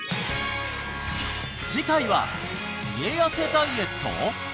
次回は家やせダイエット！？